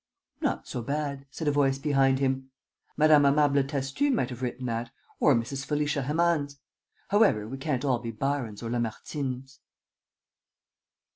] "Not so bad," said a voice behind him. "Mme. Amable Tastu might have written that, or Mrs. Felicia Hemans. However, we can't all be Byrons or Lamartines!"